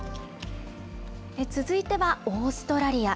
続いてはオーストラリア。